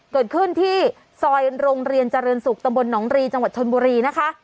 เกิดขึ้นที่ซอยโรงเรียนเจริญศุกร์ตำบลหนองรีจังหวัดชนบุรีนะคะ